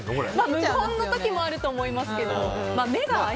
無言の時もあると思いますけど。